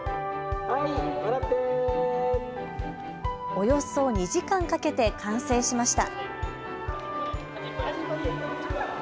およそ２時間かけて完成しました。